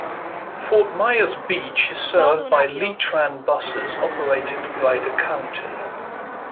Fort Myers Beach is served by LeeTran buses operated by the county.